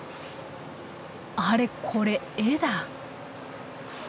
あれこれ絵だ。